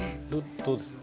どうですか？